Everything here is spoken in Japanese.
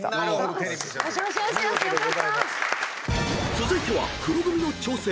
［続いては黒組の挑戦］